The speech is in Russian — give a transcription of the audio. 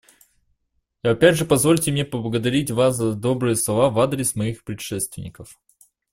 И опять же позвольте мне поблагодарить вас за добрые слова в адрес моих предшественников.